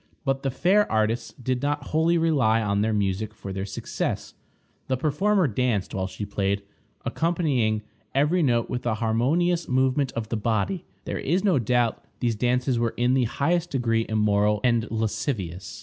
But the fair artists did not wholly rely on their music for their success. The performer danced while she played, accompanying every note with a harmonious movement of the body. There is no doubt these dances were in the highest degree immoral and lascivious.